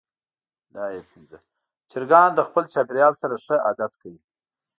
چرګان د خپل چاپېریال سره ښه عادت کوي.